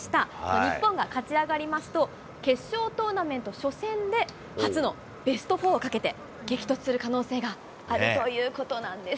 日本が勝ち上がりますと、決勝トーナメント初戦で、初のベスト４をかけて激突する可能性があるということなんです。